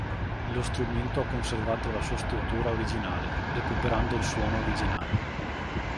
Lo strumento ha conservato la sua struttura originale, recuperando il suono originale.